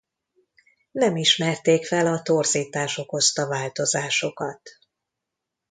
Nem ismerték fel a torzítás okozta változásokat.